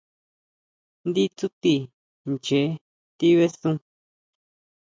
Ndí tsuti ʼnchee tibesun.